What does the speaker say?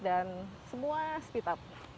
dan semua speed up